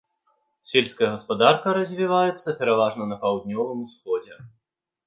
Сельская гаспадарка развіваецца пераважна на паўднёвым усходзе.